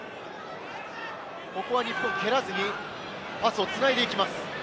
ここは日本、蹴らずにパスを繋いでいきます。